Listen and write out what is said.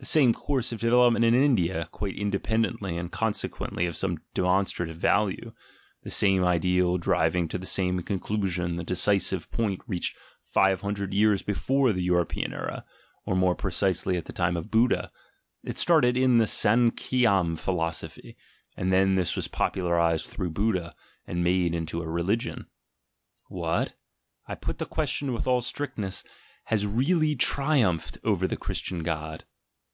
(The same course of develop ment in India — quite independently, and consequently of some demonstrative value — the same ideal driving to the same conclusion the decisive point reached five hundred years before the European era, or more precisely at the time of Buddha — it started in the Sankhyam philosophy, and then this was popularised through Buddha, and made into a religion.) What, I put the question with all strictness, has really triumphed over the Christian God?